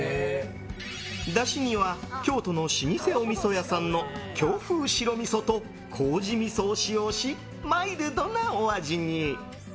だしには京都の老舗おみそ屋さんの京風白みそと麹みそを使用しマイルドなお味に。